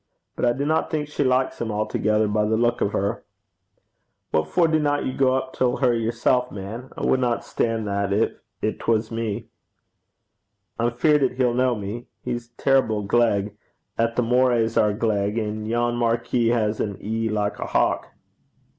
But I dinna think she likes him a'thegither by the leuk o' her.' 'What for dinna ye gang up till her yersel', man? I wadna stan' that gin 'twas me.' 'I'm feared 'at he ken me. He's terrible gleg. A' the Morays are gleg, and yon marquis has an ee like a hawk.'